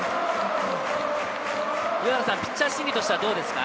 ピッチャー心理としてはどうですか？